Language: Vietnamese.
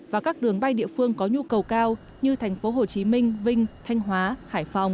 và các đường bay địa phương có nhu cầu cao như thành phố hồ chí minh vinh thanh hóa hải phòng